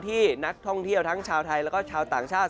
ที่นักท่องเที่ยวทั้งชาวไทยแล้วก็ชาวต่างชาติ